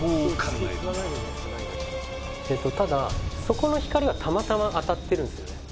ただそこの光がたまたま当たってるんですよね